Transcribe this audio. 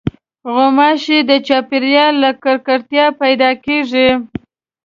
غوماشې د چاپېریال له ککړتیا پیدا کېږي.